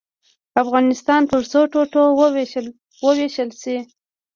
افغانستان پر څو ټوټو ووېشل شي.